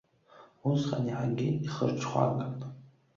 Усҟан иаҳагьы ихырҽхәаган.